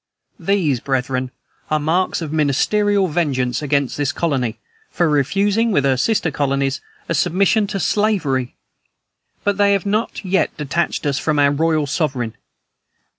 "These, brethren, are marks of ministerial vengeance against this colony, for refusing, with her sister colonies, a submission to slavery; but they have not yet detached us from our royal sovereign.